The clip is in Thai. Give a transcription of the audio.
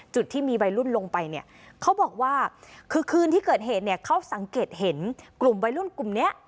จุดที่มีวัยรุ่นลงไปเนี่ยเขาบอกว่าคือคืนที่เกิดเหตุเนี่ยเขาสังเกตเห็นกลุ่มวัยรุ่นกลุ่มเนี้ย